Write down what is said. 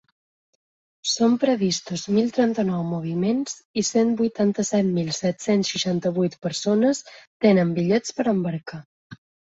Són previstos mil trenta-nou moviments i cent vuitanta-set mil set-cents seixanta-vuit persones tenen bitllets per embarcar.